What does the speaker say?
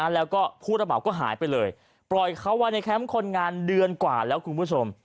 แล้วก็ผู้ระเหมาก็หายไปเลยปล่อยเขาไว้ในแคมป์คนงานเดือนกว่าแล้วคุณผู้ชม